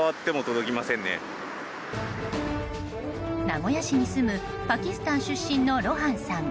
名古屋市に住むパキスタン出身のロハンさん。